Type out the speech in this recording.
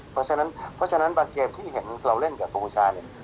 เพราะฉะนั้นเพราะฉะนั้นบางเกมที่เห็นเราเล่นกับกัมพูชาเนี่ย